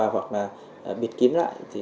hoặc là bịt kín lại